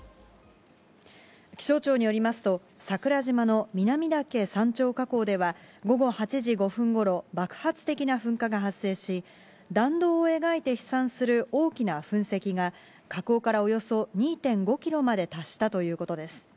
気象庁によりますと、桜島の南岳山頂火口では午後８時５分ごろ、爆発的な噴火が発生し、弾道を描いて飛散する大きな噴石が、火口からおよそ２．５キロまで達したということです。